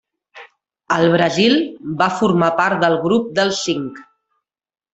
Al Brasil va formar part del Grup dels Cinc.